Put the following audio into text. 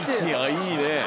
いいね。